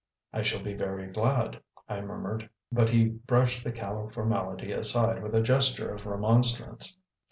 "I shall be very glad," I murmured, but he brushed the callow formality aside with a gesture of remonstrance.